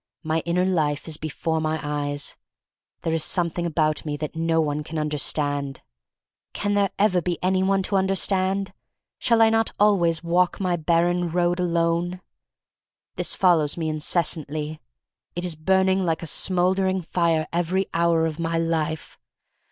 My inner life is before my eyes. There is something about me that no one can understand. Can there ever be any one to understand? Shall I not always walk my barren road alone? This follows me incessantly. It is burning like a smouldering fire every hour of my life.